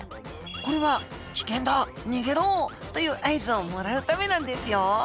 これは「危険だ！逃げろ」という合図をもらうためなんですよ。